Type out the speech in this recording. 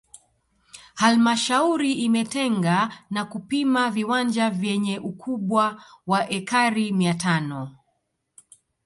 Halmashauri imetenga na kupima viwanja vyenye ukubwa wa ekari mia tano